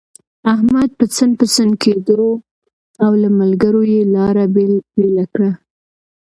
احمد پسن پسن کېدو، او له ملګرو يې لاره بېله کړه.